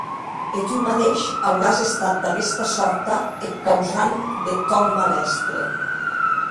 E tu madeish auràs estat d’aguesta sòrta eth causant deth tòn malastre!